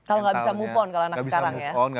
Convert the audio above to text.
kalau nggak bisa move on kalau anak sekarang ya